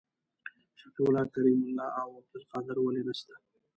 شفیع الله کریم الله او عبدالقادر ولي نسته؟